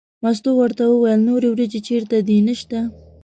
مستو ورته وویل نورې وریجې چېرته دي نشته.